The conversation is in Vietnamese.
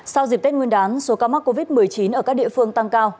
sau dịp tết nguyên đán số ca mắc covid một mươi chín ở các địa phương tăng cao